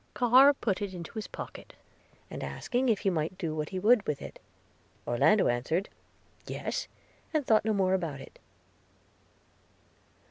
Carr put it into his pocket, and, asking 'if he might do what he would with it?' Orlando answered, 'Yes,' and thought no more about it.